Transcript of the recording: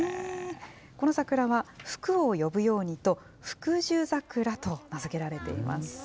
この桜は、福を呼ぶようにと、福寿桜と名付けられています。